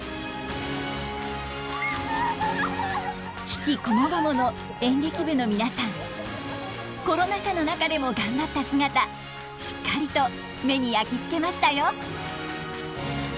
悲喜こもごもの演劇部の皆さんコロナ禍の中でも頑張った姿しっかりと目に焼き付けましたよ。